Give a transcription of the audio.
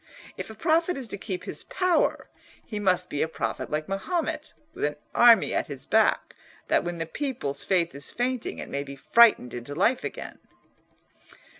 If a prophet is to keep his power, he must be a prophet like Mahomet, with an army at his back, that when the people's faith is fainting it may be frightened into life again."